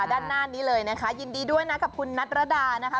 ด้านหน้านี้เลยนะคะยินดีด้วยนะกับคุณนัทรดานะคะ